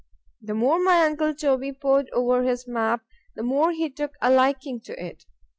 The more my uncle Toby pored over his map, the more he took a liking to it!